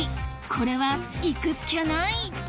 これは行くっきゃない！